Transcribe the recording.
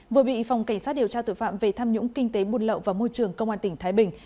vừa bị phòng cảnh sát điều tra tội phạm về tham nhũng kinh tế buôn lậu và môi trường công an tỉnh thái bình